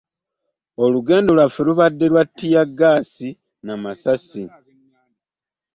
Era olugendo lwaffe lubadde lwa ttiyaggaasi n'amasasi.